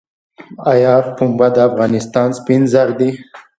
آیا پنبه د افغانستان سپین زر دي؟